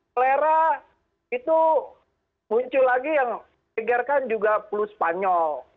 kolera itu muncul lagi yang dikirakan juga puluh spanyol